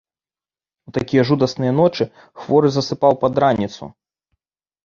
У такія жудасныя ночы хворы засыпаў пад раніцу.